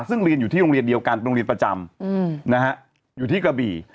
ซึ่งเรียนอยู่ที่โรงเรียนเดียวกันโรงเรียนประจำอยู่ที่กระบี่